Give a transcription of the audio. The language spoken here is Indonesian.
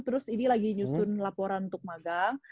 terus ini lagi nyusun laporan untuk magang